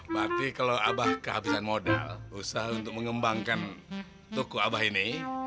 berarti kalau abah kehabisan modal usaha untuk mengembangkan toko abah ini